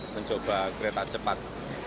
mencoba kereta cepat